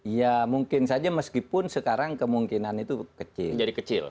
ya mungkin saja meskipun sekarang kemungkinan itu kecil